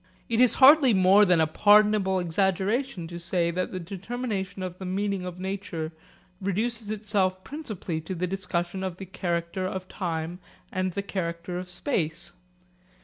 It is hardly more than a pardonable exaggeration to say that the determination of the meaning of nature reduces itself principally to the discussion of the character of time and the character of space.